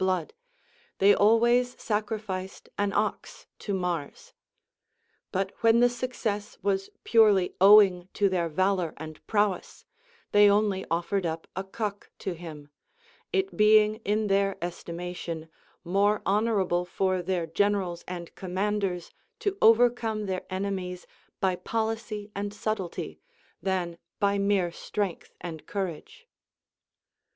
95 blood, they always sacrificed an ox to INIars ; but when the success Avas purely owing to their valor and prowess, they only offered up a cock to him ; it being in their estimation more honorable for their generals and commanders to over come their enemies by policy and subtlety than by mere strength and courage.